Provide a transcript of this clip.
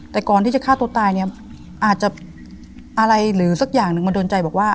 แต่ก่อนที่จะฆ่าตัวตายเนี่ยอาจจะอะไรหรือสักอย่างหนึ่งมาโดนใจบอกว่า